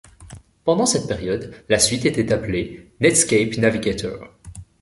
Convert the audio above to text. Pendant cette période, la suite était appelée Netscape Navigator.